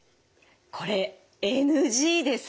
これＮＧです。